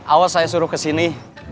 awas saya suruh kesini